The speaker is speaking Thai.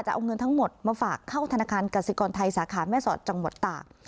เอาเงินทั้งหมดมาฝากเข้าธนาคารกสิกรไทยสาขาแม่สอดจังหวัดตาก